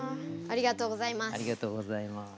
ありがとうございます。